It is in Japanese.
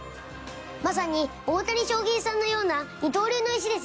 まさに大谷翔平さんのような二刀流の石ですよね。